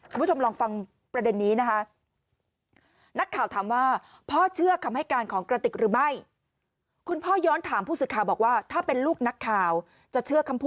คุณผู้ชมลองฟังประเด็นนี้นะคะ